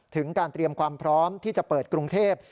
ถึงการเตรียมความพร้อมที่จะเปิดกรุงเทพ